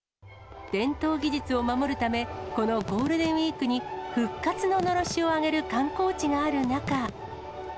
伝統技術を守るため、このゴールデンウィークに復活ののろしを上げる観光地がある中。